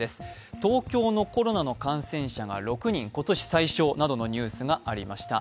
東京のコロナの感染者が６人、今年最少などのニュースがありました。